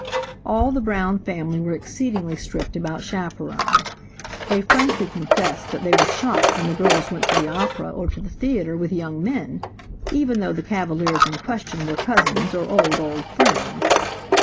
All the Brown family were exceedingly strict about chaperones. They frankly confessed that they were shocked when the girls went to the opera or to the theatre with young men, even though the cavaliers in question were cousins or old, old friends.